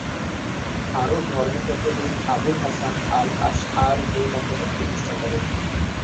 আরব ধর্মতত্ত্ববিদ Abul Hasan Al-Ashari এই মতবাদ প্রতিষ্ঠা করেন।